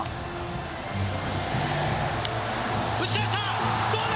打ちました、どうだ？